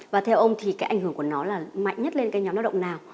và theo ông thì cái ảnh hưởng của nó là mạnh nhất lên cái nhóm lao động nào